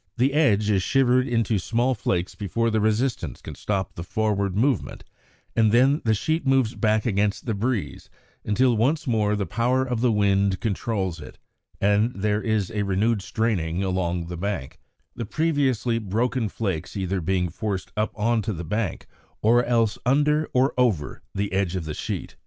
The edge is shivered into small flakes before the resistance can stop the forward movement, and then the sheet moves back against the breeze until once more the power of the wind controls it, and there is a renewed straining along the bank, the previously broken flakes either being forced up on to the bank, or else under, or over, the edge of the sheet.